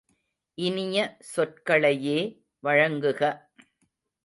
இனிய சொற்களையே வழங்குக!